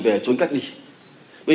về trốn cách ly